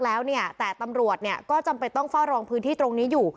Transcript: แล้วเนี่ยแต่ตำรวจเนี่ยก็จำเป็นต้องเฝ้ารองพื้นที่ตรงนี้อยู่